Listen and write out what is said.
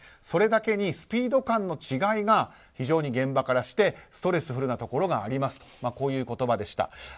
それだけにスピード感の違いが非常に現場からしてストレスフルなところがありますという言葉でした。